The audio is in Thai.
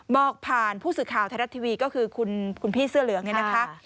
บอกผ่านผู้สื่อข่าวไทยรัฐทีวีก็คือคุณพี่เสื้อเหลืองเนี่ยนะคะ